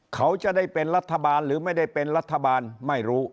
เขาจะได้เป็นรัฐบาลหรือไม่ได้เป็นรัฐบาลไม่รู้